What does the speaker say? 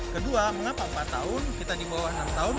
kedua mengapa empat tahun kita dibawah enam tahun